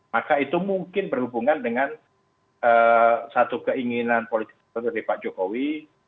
maka itu mungkin berhubungan dengan satu keinginan politik dari pak jokowi